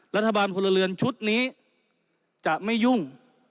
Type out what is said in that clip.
รัฐบาลพลเรือนชุดนี้จะไม่ยุ่ง